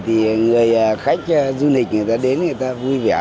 thì người khách du lịch người ta đến người ta vui vẻ